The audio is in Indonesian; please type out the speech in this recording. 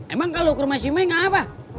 emang kalau ke rumah si may enggak apa